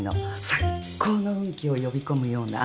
最高の運気を呼び込むような。